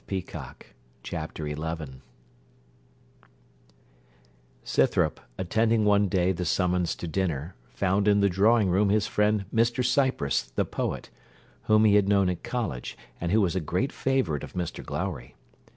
CHAPTER XI Scythrop, attending one day the summons to dinner, found in the drawing room his friend Mr Cypress the poet, whom he had known at college, and who was a great favourite of Mr Glowry.